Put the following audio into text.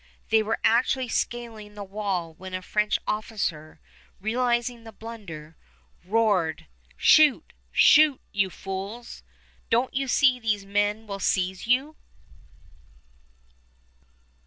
They were actually scaling the wall when a French officer, realizing the blunder, roared: "Shoot! shoot! you fools! Don't you see those men will seize you?"